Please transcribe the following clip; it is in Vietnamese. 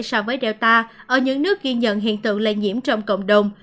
so với delta ở những nước ghi nhận hiện tượng lây nhiễm trong cộng đồng